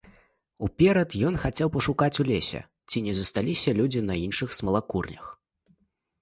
Уперад ён хацеў пашукаць у лесе, ці не засталіся людзі на іншых смалакурнях.